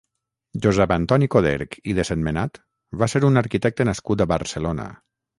Josep Antoni Coderch i de Sentmenat va ser un arquitecte nascut a Barcelona.